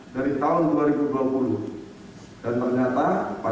dan perubatan ini juga sudah direncanakan